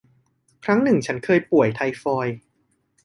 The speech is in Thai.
ครั้งหนึ่งฉันเคยป่วย ไทฟอยด์